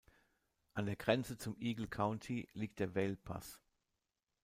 An der Grenze zum Eagle County liegt der Vail Pass.